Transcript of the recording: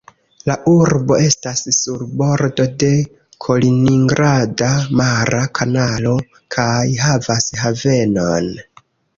La urbo estas sur bordo de Kaliningrada mara kanalo kaj havas havenon.